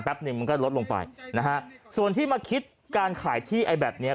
หนึ่งมันก็ลดลงไปนะฮะส่วนที่มาคิดการขายที่ไอ้แบบเนี้ย